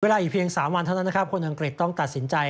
เวลาอีกเพียง๓วันเท่านั้นคนอังกฤษต้องตัดสินใจ